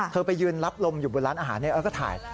ไปยืนรับลมอยู่บนร้านอาหารแล้วก็ถ่าย